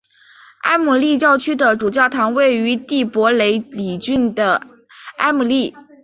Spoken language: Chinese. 埃姆利教区的主教堂位于蒂珀雷里郡的埃姆利。